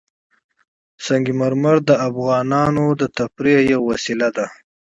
سنگ مرمر د افغانانو د تفریح یوه وسیله ده.